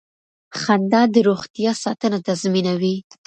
خندا د روغتیا ساتنه تضمینوي.